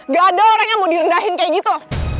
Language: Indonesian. gak ada orang yang mau direndahin kayak gitu